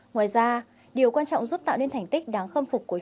ngoài ra điều quan trọng giúp tạo nên thành tích đáng khâm phục của chúng